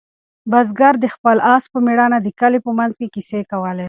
بزګر د خپل آس په مېړانه د کلي په منځ کې کیسې کولې.